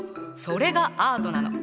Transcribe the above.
それがアートなの。